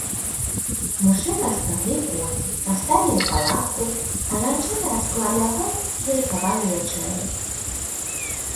Мужчыны распраглі коней, паставілі палатку, а жанчыны расклалі агонь і рыхтавалі вячэру.